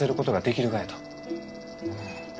うん。